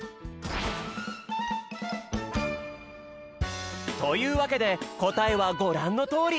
それじゃあというわけでこたえはごらんのとおり。